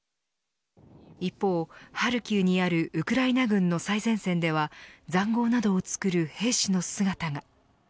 一方、ハルキウにあるウクライナ軍の最前線では塹壕などを作る兵士の姿が。